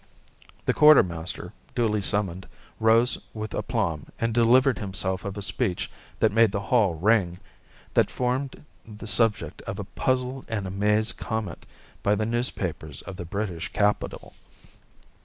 The quartermaster, duly summoned, rose with aplomb and delivered himself of a speech that made the hall ring, that formed the subject of a puzzled and amazed comment by the newspapers of the British Capital.